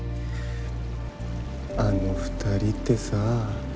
あの２人ってさ